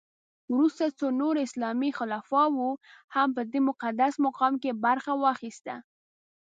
وروسته څو نورو اسلامي خلفاوو هم په دې مقدس مقام کې برخه واخیسته.